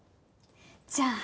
じゃあ。